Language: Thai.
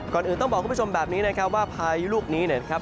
อื่นต้องบอกคุณผู้ชมแบบนี้นะครับว่าพายุลูกนี้นะครับ